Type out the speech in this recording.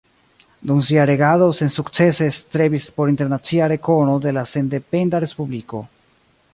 Dum sia regado sensukcese strebis por internacia rekono de la sendependa respubliko.